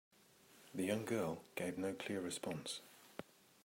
The young girl gave no clear response.